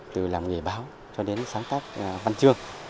từ làm nghề báo cho đến sáng tác văn chương